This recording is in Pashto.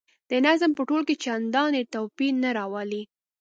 د نظم په تول کې چنداني توپیر نه راولي.